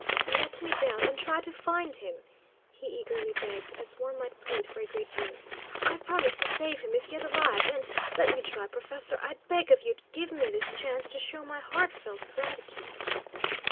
"Let me down and try to find him," he eagerly begged, as one might plead for a great boon. "I promise to save him if yet alive, and let me try, professor; I beg of you, give me this chance to show my heartfelt gratitude."